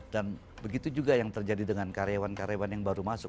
dan begitu juga yang terjadi dengan karyawan karyawan yang baru masuk